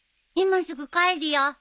今すぐ帰るよ！